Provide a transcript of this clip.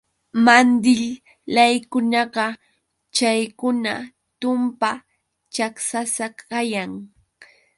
Mandilllaykunaqa chaykuna tumpa chaksasa kayan.